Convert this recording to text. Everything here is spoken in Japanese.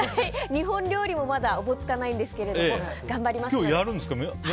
日本料理もまだおぼつかないんですけども頑張りますので。